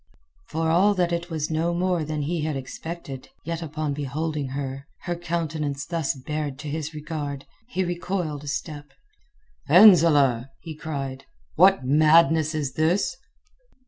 For all that it was no more than he had expected, yet upon beholding her—her countenance thus bared to his regard—he recoiled a step. "Fenzileh!" he cried. "What madness is this?"